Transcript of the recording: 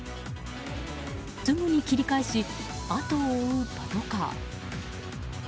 すぐに切り返し後を追うパトカー。